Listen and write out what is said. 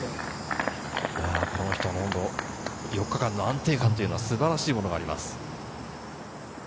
この人も４日間の安定感は素晴らしいものがあります。